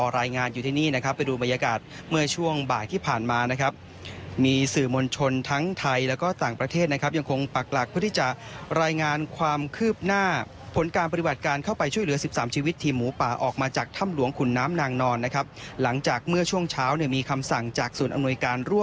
รายงานอยู่ที่นี่นะครับไปดูบรรยากาศเมื่อช่วงบ่ายที่ผ่านมานะครับมีสื่อมวลชนทั้งไทยแล้วก็ต่างประเทศนะครับยังคงปักหลักเพื่อที่จะรายงานความคืบหน้าผลการปฏิบัติการเข้าไปช่วยเหลือ๑๓ชีวิตทีมหมูป่าออกมาจากถ้ำหลวงขุนน้ำนางนอนนะครับหลังจากเมื่อช่วงเช้าเนี่ยมีคำสั่งจากศูนย์อำนวยการร่